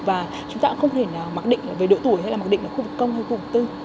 và chúng ta cũng không thể nào mặc định về độ tuổi hay là mặc định ở khu vực công hay khu vực tư